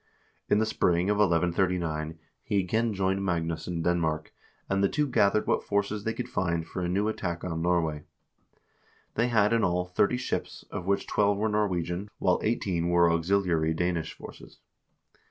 In the spring of 1139 he again joined Magnus in Denmark, and the two gathered what forces they could find for a new attack on Norway. They had in all thirty ships, of which twelve were Norwegian, while eighteen were auxiliary Danish forces.